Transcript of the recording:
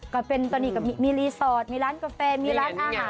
ก็เป็นตอนนี้ก็มีรีสอร์ทมีร้านกาแฟมีร้านอาหาร